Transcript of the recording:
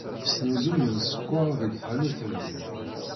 Snuzuyen sskeṛ deg tḥanut-nni.